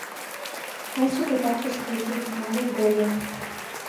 Таче пытартыш кече, маныт гойо.